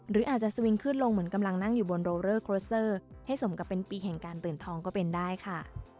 หรืออาจจะสวิงขึ้นลงเหมือนกำลังนั่งอยู่บนโรเลอร์โครสเตอร์ให้สมกับเป็นปีแห่งการตื่นทองก็เป็นได้ค่ะ